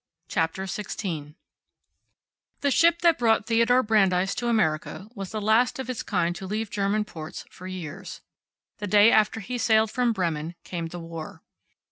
CHAPTER SIXTEEN The ship that brought Theodore Brandeis to America was the last of its kind to leave German ports for years. The day after he sailed from Bremen came the war.